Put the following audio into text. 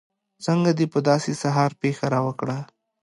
څنګه دې په داسې سهار پېښه راوکړه.